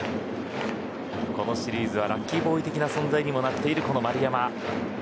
このシリーズはラッキーボーイ的な存在にもなっている丸山。